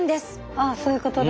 あっそういうことだ。